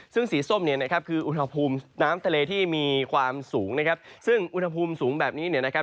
ซึ่งสีส้มเนี่ยนะครับคืออุณหภูมิน้ำทะเลที่มีความสูงนะครับซึ่งอุณหภูมิสูงแบบนี้เนี่ยนะครับ